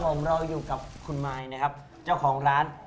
วันหน้าครับทุ่งผู้ชมครับ